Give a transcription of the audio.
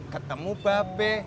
ketemu mbak be